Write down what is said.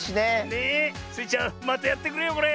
ねえ。スイちゃんまたやってくれよこれ。